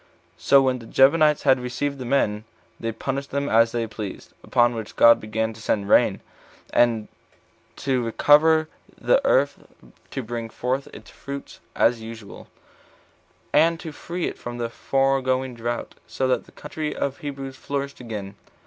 So when the Gibeonites had received the men, they punished them as they pleased; upon which God began to send rain, and to recover the earth to bring forth its fruits as usual, and to free it from the foregoing drought, so that the country of the Hebrews flourished again.